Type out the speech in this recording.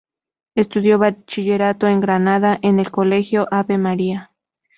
Estudió bachillerato en Granada, en el Colegio Ave María.